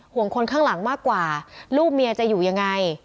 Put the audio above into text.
ห่วงคนข้างหลังมากกว่าลูกเมียจะอยู่ยังไง